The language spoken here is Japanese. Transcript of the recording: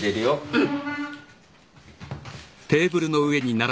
うん。